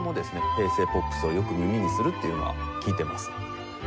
平成ポップスをよく耳にするっていうのは聞いています。